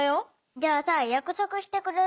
じゃあさ約束してくれる？